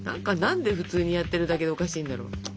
何で普通にやってるだけでおかしいんだろう？